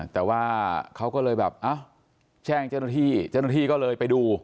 แต่ว่าเขาก็เลยแบบเอ้าแจ้งเจ้าหน้าที่เจ้าหน้าที่ก็เลยไปดู